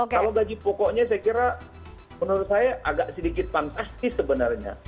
kalau gaji pokoknya saya kira menurut saya agak sedikit fantastis sebenarnya